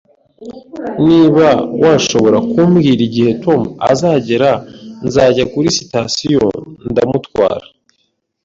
Niba washobora kumbwira igihe Tom azagera, nzajya kuri sitasiyo ndamutwara